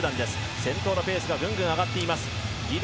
先頭のペースがぐんぐん上がっています。